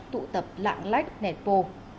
tụ tập lạng lách nẹt bồ